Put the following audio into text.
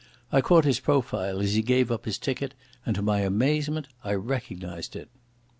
I caught his profile as he gave up his ticket and to my amazement I recognised it.